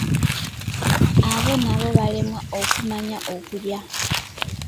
Abo nabo baalemwa okumanya okulya!